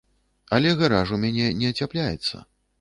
Але гараж у мяне не ацяпляецца.